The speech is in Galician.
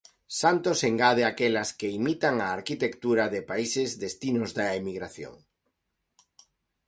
Santos engade aquelas que imitan a arquitectura de países destinos da emigración.